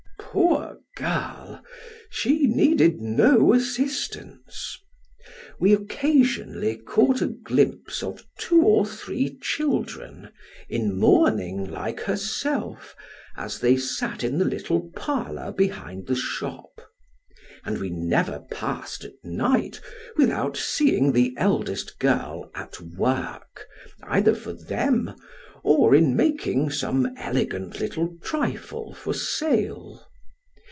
Poor girl ! she needed no assist ance. We occasionally caught a glimpse of two or three children, in mourning like herself, as they sat in the little parlour behind the shop ; and we never passed at night without seeing the eldest girl at work, either for them, or in making some elegant little trifle for sale.